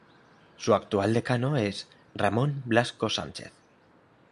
Su actual Decano es Ramón Blasco Sánchez.